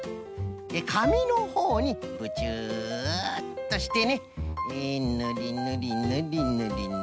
かみのほうにブチュっとしてねぬりぬりぬりぬりぬりぬりぬりと。